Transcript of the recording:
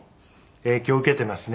影響受けていますね。